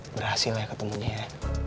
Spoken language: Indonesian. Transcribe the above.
berhasil ya ketemunya ya